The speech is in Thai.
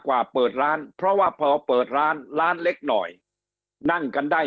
เปิดร้านเพราะว่าพอเปิดร้านร้านเล็กหน่อยนั่งกันได้